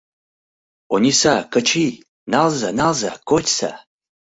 Ониса, Кычий, налза-налза, кочса!